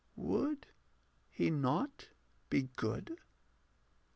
_] Would he not be good?